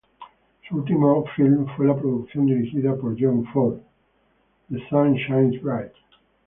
Su último film fue la producción dirigida por John Ford "The Sun Shines Bright".